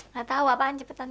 ga tau apaan cepetan juga